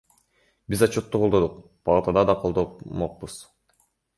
Биз отчетту колдодук, палатада да колдомокпуз.